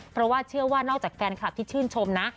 เพราะว่าเชื่อว่านอกจากแฟนคลับที่ชื่นชมนะ